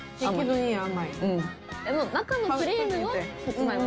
中のクリームもさつまいも？